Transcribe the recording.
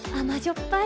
っぱい